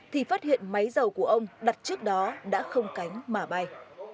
thì phát hiện máy dầu của ông đặt trước đó đã không cánh mà bay